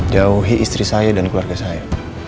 jauhi istri saya dan keluarga saya